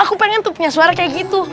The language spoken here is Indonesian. aku pengen tuh punya suara kayak gitu